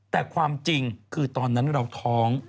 แต่ความจริงคือตอนนั้นเราท้อง